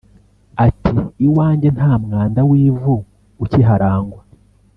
Ati “Iwanjye nta mwanda w’ivu ukiharangwa